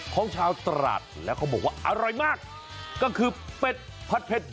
ของชาวตราดแล้วเขาบอกว่าอร่อยมากก็คือเป็ดผัดเผ็ด